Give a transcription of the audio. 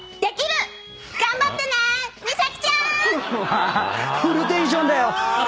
うわフルテンションだよ。